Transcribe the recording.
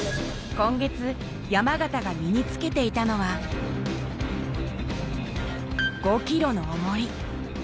今月、山縣が身につけていたのは、５キロのおもり。